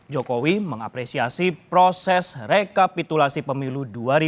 jokowi mengapresiasi proses rekapitulasi pemilu dua ribu dua puluh